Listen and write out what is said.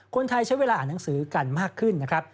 คนไทยใช้เวลาอ่านหนังสือกันมากขึ้นนะครับ